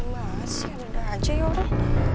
mas yaudah aja orang